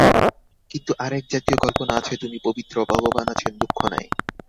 কিন্ত আর এক জাতীয় কল্পনা আছে তুমি পবিত্র, ভগবান আছেন, দুঃখ নাই।